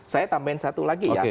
saya tambahin satu lagi ya